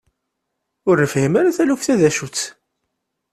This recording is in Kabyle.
Ur nefhim ara taluft-a d acu-tt.